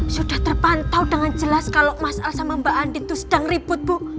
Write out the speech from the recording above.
sudah terpantau dengan jelas kalau mas al sama mbak andi itu sedang ribut bu